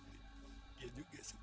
iya juga su